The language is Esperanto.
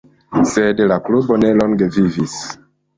Sed la klubo ne longe vivis.